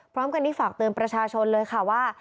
พร้อมกันนี้ฝากเตือนประชาชนเลยค่ะว่า